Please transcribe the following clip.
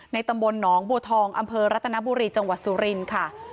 ตำบลหนองบัวทองอำเภอรัตนบุรีจังหวัดสุรินทร์ค่ะ